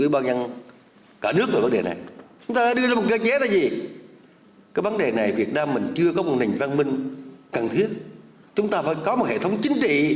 vào cuộc để vận động cái này